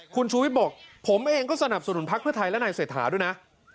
คุณชูวิทย์บอกผมเองก็สนับสนุนพักเพื่อไทยและนายเศรษฐาด้วยนะ